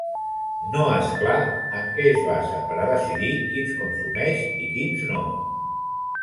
No és clar en què es basa per a decidir quins consumeix i quins no.